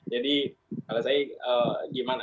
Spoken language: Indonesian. jadi kalau saya gimana